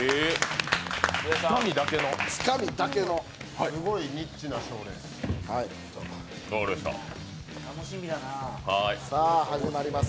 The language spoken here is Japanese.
つかみだけのすごいニッチな賞です。